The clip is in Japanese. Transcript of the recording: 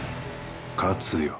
勝つよ。